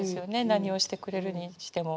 何をしてくれるにしても。